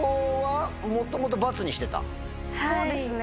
そうですね。